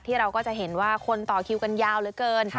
เราก็จะเห็นว่าคนต่อคิวกันยาวเหลือเกิน